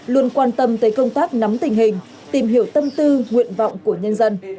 luôn quan tâm tới công tác nắm tình hình tìm hiểu tâm tư nguyện vọng của nhân dân